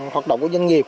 hoạt động của doanh nghiệp